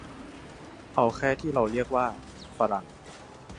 เอาแค่ที่เราเรียกว่า ฝรั่ง